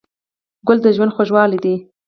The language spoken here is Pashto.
ګل د ژوند خوږوالی دی.